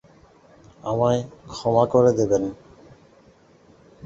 আমায় ক্ষমা করে দেবেন।